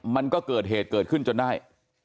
มันก็เกิดเหตุเกิดขึ้นจนได้